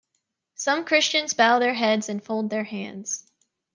Some Christians bow their heads and fold their hands.